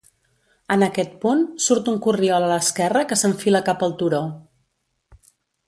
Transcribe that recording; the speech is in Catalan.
En aquest punt, surt un corriol a l'esquerra que s'enfila cap al turó.